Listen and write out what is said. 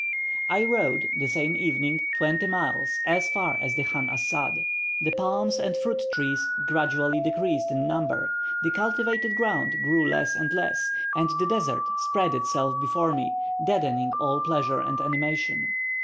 I rode, the same evening, twenty miles, as far as the Chan Assad. The palms and fruit trees gradually decreased in number, the cultivated ground grew less and less, and the desert spread itself before me, deadening all pleasure and animation.